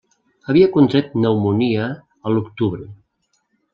Havia contret pneumònia a l'octubre.